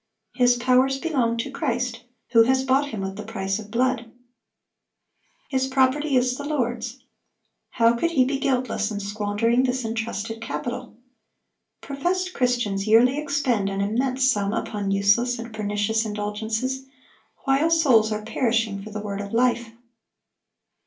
His powers belong to Christ, who has bought him with the price of blood. His property is the Lord's. How could he be guiltless in squandering this intrusted capital? Professed Christians yearly expend an immense sum upon useless and pernicious indulgences, while souls are perishing for the word of life.